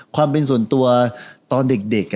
ความเป็นส่วนตัวตอนเด็ก